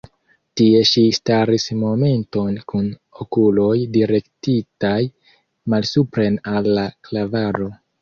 Tie ŝi staris momenton kun okuloj direktitaj malsupren al la klavaro.